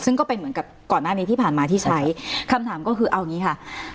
ซึ่งก็เป็นเหมือนกับก่อนหน้านี้ที่ผ่านมาที่ใช้คำถามก็คือเอางี้ค่ะ